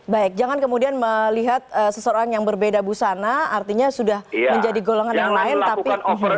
baik jangan kemudian melihat seseorang yang berbeda busana artinya sudah menjadi golongan yang lain tapi